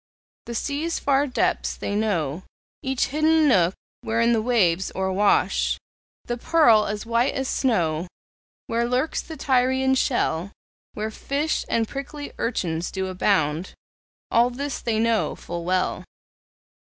The sea's far depths they know, Each hidden nook, wherein the waves o'erwash The pearl as white as snow; Where lurks the Tyrian shell, Where fish and prickly urchins do abound, All this they know full well.